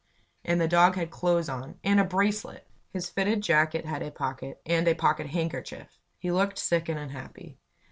And the dog had clothes on and a bracelet! His fitted jacket had a pocket and a pocket handkerchief! He looked sick and unhappy.